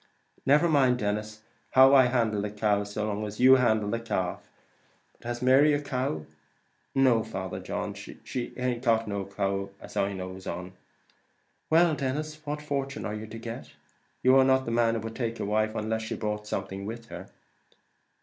"Never mind, Denis, how I handle the cow, so long as you handle the calf; but has Mary a cow?" "No, Father John, she aint got a cow then, as I knows on." "Well, Denis, and what fortune are you to get? You are not the man would take a wife unless she brought something with her."